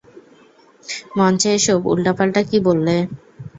মঞ্চে এসব উলটাপালটা কী বললে?